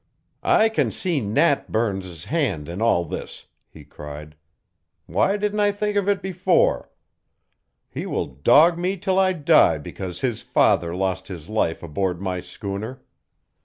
"I can see Nat Burns's hand in all this," he cried. "Why didn't I think of it before? He will dog me till I die because his father lost his life aboard my schooner.